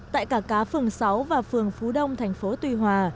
tại cả cá phường sáu và phường phú đông thành phố tùy hòa